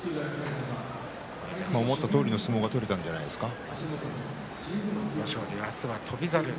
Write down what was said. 思いどおりの相撲が取れたんじゃないですか。